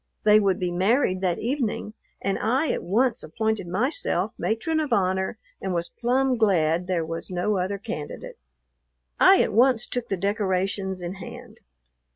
They would be married that evening, and I at once appointed myself matron of honor and was plumb glad there was no other candidate. I at once took the decorations in hand.